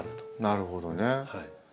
なるほどね。